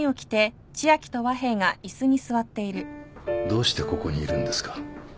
どうしてここにいるんですか？